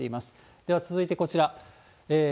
では続いてこちら。